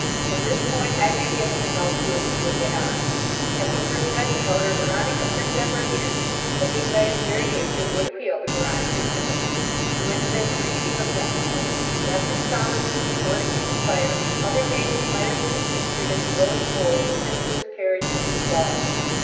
"From this point I may be able to help you, and we will get on. At the word 'gunpowder' Veronica pricked up her ears. The thing by its very nature would appeal to Veronica's sympathies. She went to bed dreaming of gunpowder. Left in solitude before the kitchen fire, other maidens might have seen pictured in the glowing coals, princes, carriages, and balls.